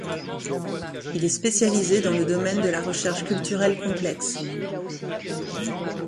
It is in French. Il est spécialisé dans le domaine de la recherche culturelle complexe.